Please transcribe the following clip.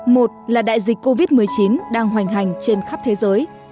một là đại dịch covid một mươi chín đang hoành hành trên khắp thế giới